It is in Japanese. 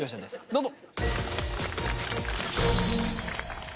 どうぞ。